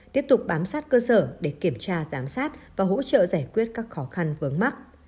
tiếp tục bám sát cơ sở để kiểm tra giám sát và hỗ trợ giải quyết các khó khăn vướng mắt